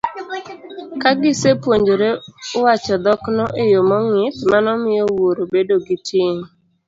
Ka gisepuonjore wacho dhokno e yo mong'ith, mano miyo wuoro bedo gi ting'